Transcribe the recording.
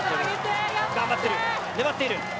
頑張ってる粘っている。